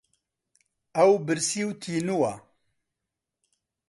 ئەو برسی و تینووە.